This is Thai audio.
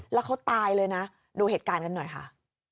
แล้วเขาตายเลยนะดูเหตุการณ์กันหน่อยค่ะ